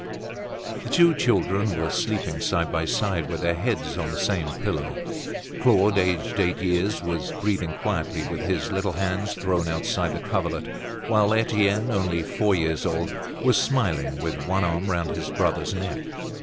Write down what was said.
The two children were sleeping side by side, with their heads on the same pillow. Claude, aged eight years, was breathing quietly, with his little hands thrown outside the coverlet; while Etienne, only four years old, was smiling, with one arm round his brother's neck.